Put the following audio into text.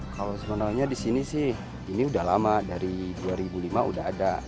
kalo sebenernya disini sih ini udah lama dari dua ribu lima udah ada